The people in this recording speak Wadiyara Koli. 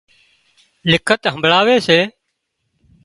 لکت همڀۯاوي سي